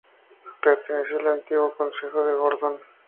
Perteneció al antiguo Concejo de Gordón.